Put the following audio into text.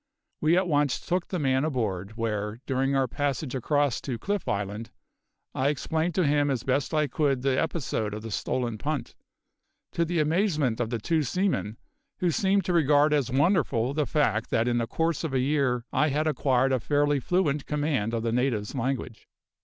We at once took the man aboard, where, during our passage across to Cliff Island, I explained to him as best I could the episode of the stolen punt to the amazement of the two seaman, who seemed to regard as wonderful the fact that in the course of a year I had acquired a fairly fluent command of the natives' language.